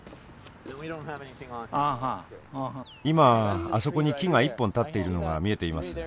今あそこに木が１本立っているのが見えています。